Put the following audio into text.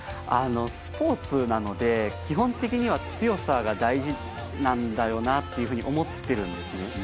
スポーツなので、基本的には強さが大事なんだよなとも思っているんですね。